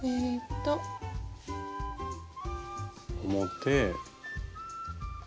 表。